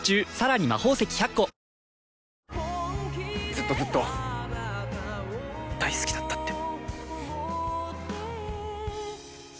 ずっとずっと大好きだったって。